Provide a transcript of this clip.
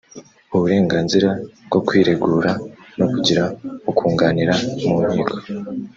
uburenganzira bwo kwiregura no kugira ukunganira mu nkiko